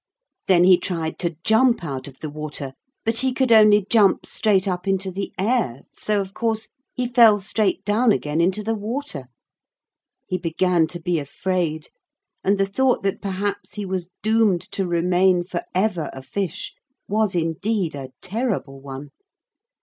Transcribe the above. Then he tried to jump out of the water, but he could only jump straight up into the air, so of course he fell straight down again into the water. He began to be afraid, and the thought that perhaps he was doomed to remain for ever a fish was indeed a terrible one.